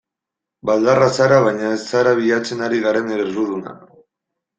Baldarra zara baina ez zara bilatzen ari garen erruduna.